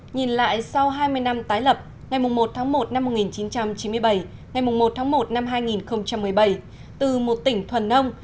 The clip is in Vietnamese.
nhìn lại sau hai mươi năm tái lập ngày một một một nghìn chín trăm chín mươi bảy ngày một một hai nghìn một mươi bảy từ một tỉnh thuần nông